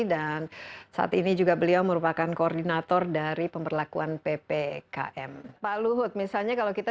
dan saat ini juga beliau merupakan koordinator dari pemberlakuan ppkm pak luhut misalnya kalau kita